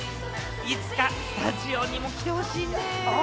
いつかスタジオにも来てほしいね。